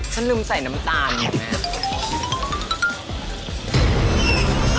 ฉันลืมใส่น้ำตาลดีกว่า